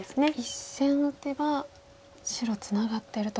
１線打てば白ツナがってると。